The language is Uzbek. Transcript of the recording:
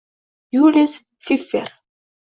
Yulis Fiffer